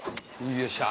よっしゃ。